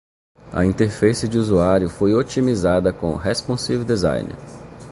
A interface de usuário foi otimizada com Responsive Design.